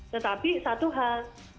tetapi satu hal